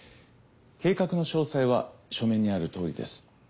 計画の詳細は書面にあるとおりです。